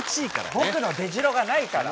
僕の出じろがないから。